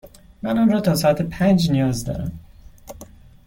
من آن را تا ساعت پنج نیاز دارم.